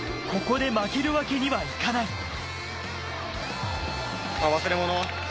ここで負けるわけにはいかない。